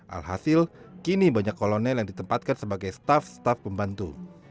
alhasil kini banyak kolonel yang ditempatkan sebagai staff staff pembantu